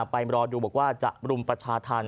ไปรอดูบอกว่าจะรุมประชาธรรม